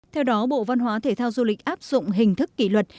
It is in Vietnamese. theo đó bộ văn hóa thể thao du lịch áp dụng hình thức kỷ luật